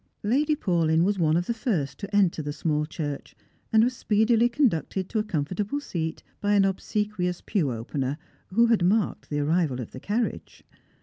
Lady Paulyn was one of the first to enter the small church, and was speedily conducted to a comfortable seat by an obse quious pew opener, who had marked the arrival of the carriage.